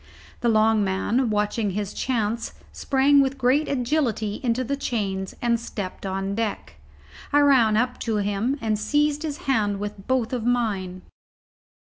The long man, watching his chance, sprang with great agility into the chains, and stepped on deck. I ran up to him and seized his hand with both mine.